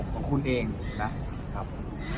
ของคุณเองนะครับ